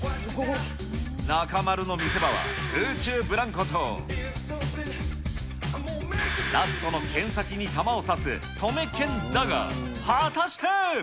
中丸の見せ場は、空中ブランコと、ラストのけん先に玉をさす、とめけんだが、果たして。